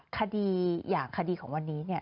คดีอย่างคดีของวันนี้